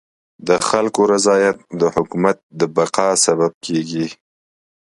د خلکو رضایت د حکومت د بقا سبب کيږي.